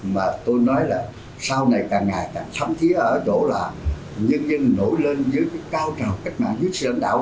mà tôi nói là sau này càng ngày càng sắm thiết ở chỗ là nhân dân nổi lên dưới cái cao trào cách mạng dưới sơn đạo